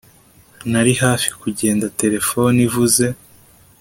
Nari hafi kugenda terefone ivuze